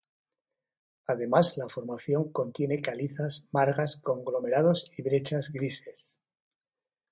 Además, la formación contiene calizas, margas, conglomerados y brechas grises.